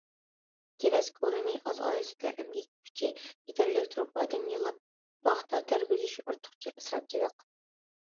كېۋەز كۆلىمى ئاز، ئائىلىسىدە ئەمگەك كۈچى يېتەرلىك تۇرۇپ ئادەم ياللاپ پاختا تەرگۈزۈش ئارتۇقچە ئىسراپچىلىق.